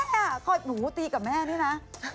แม่อ่ะค่อยตีกับแม่นี่น่ะ